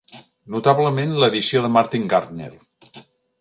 Notablement l'edició de Martin Gardner.